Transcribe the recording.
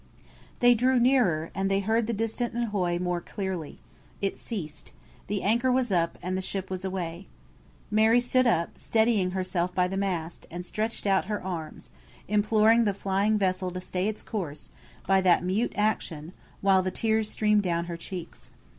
They drew nearer, and they heard the distant "ahoy" more clearly. It ceased. The anchor was up, and the ship was away. Mary stood up, steadying herself by the mast, and stretched out her arms, imploring the flying vessel to stay its course by that mute action, while the tears streamed down her cheeks.